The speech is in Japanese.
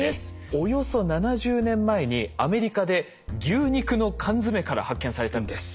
およそ７０年前にアメリカで牛肉の缶詰から発見されたんです。